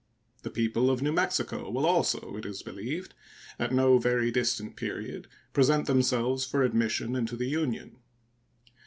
The people of New Mexico will also, it is believed, at no very distant period present themselves for admission into the Union.